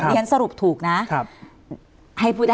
เรียนสรุปถูกนะ